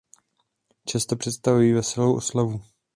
Často představují veselou oslavu.